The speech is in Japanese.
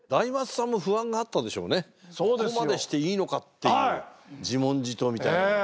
ここまでしていいのかっていう自問自答みたいなものが。